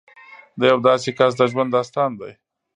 د یو داسې کس د ژوند داستان دی